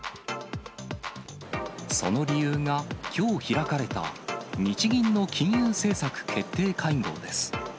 その理由が、きょう開かれた日銀の金融政策決定会合です。